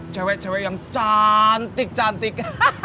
cewek cewek yang cantik cantik